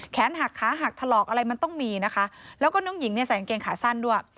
หักขาหักถลอกอะไรมันต้องมีนะคะแล้วก็น้องหญิงเนี่ยใส่กางเกงขาสั้นด้วย